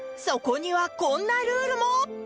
そこにはこんなルールも